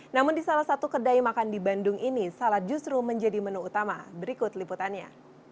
namun di salah satu kedai makan di bandung ini salad justru menjadi menu utama berikut liputannya